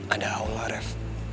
ada allah ref